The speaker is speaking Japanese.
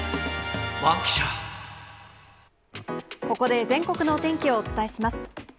ここで全国のお天気をお伝えします。